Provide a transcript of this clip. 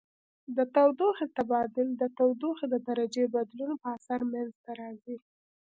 د تودوخې تبادل د تودوخې د درجې بدلون په اثر منځ ته راځي.